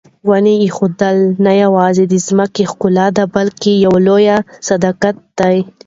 د ونو ایښودل نه یوازې د ځمکې ښکلا ده بلکې یوه لویه صدقه ده.